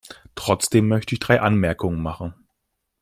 Trotzdem möchte ich drei Anmerkungen machen.